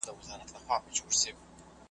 زما لحد پر کندهار کې را نصیب لیدل د یار کې .